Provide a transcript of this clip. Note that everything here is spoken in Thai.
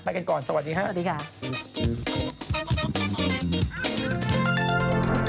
ไปกันก่อนสวัสดีครับ